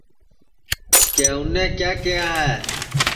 کہ اُنے کیا کیہیا ہے